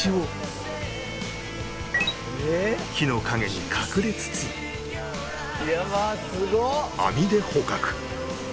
木の陰に隠れつつ網で捕獲